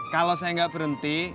kalau saya gak berhenti